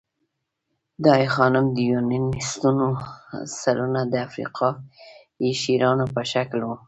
د آی خانم د یوناني ستونو سرونه د افریقايي شیرانو په شکل وو